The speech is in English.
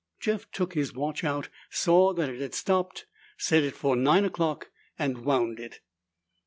Jeff took his watch out, saw that it had stopped, set it for nine o'clock, and wound it.